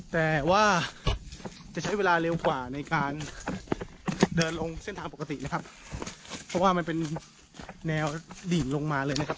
แต่ว่าจะใช้เวลาเร็วกว่าในการเดินลงเส้นทางปกตินะครับเพราะว่ามันเป็นแนวดิ่งลงมาเลยนะครับ